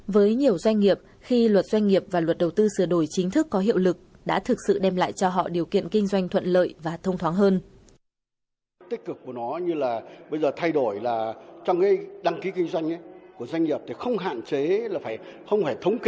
với nhiều doanh nghiệp khi luật doanh nghiệp và luật đầu tư sửa đổi chính thức có hiệu lực đã thực sự đem lại cho họ điều kiện kinh doanh thuận lợi và thông thoáng hơn